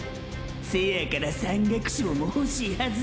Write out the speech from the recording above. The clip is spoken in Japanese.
せやから山岳賞もほしいはずや！！